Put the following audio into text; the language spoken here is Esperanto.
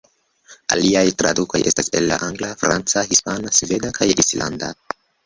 Aliaj tradukoj estas el la angla, franca, hispana, sveda kaj islanda.